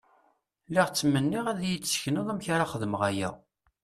Lliɣ ttmenniɣ ad yi-d-sekneḍ amek ara xedmeɣ aya.